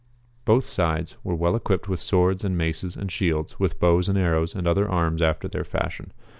Both sides were well ecjuipped with swords and maces and shields, with bows and arrows and other arms after their fashion.